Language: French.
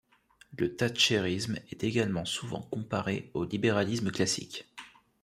Le thatchérisme est également souvent comparé au libéralisme classique.